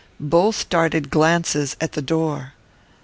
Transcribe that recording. Both darted glances at the door.